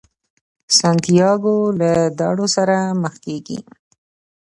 سانتیاګو له داړو سره مخ کیږي.